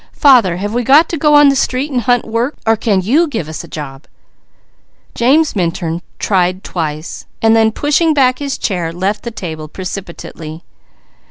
Father, have we got to go on the street and hunt work, or can you give us a job?" James Minturn tried to speak, then pushing back his chair left the table precipitately.